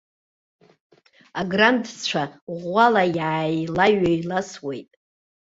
Аграндцәа ӷәӷәала иааилаҩеиласуеит.